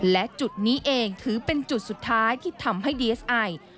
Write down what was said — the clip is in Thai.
และจุดนี้เองถือเป็นจุดสุดท้ายที่ทำให้ดีเอสไอ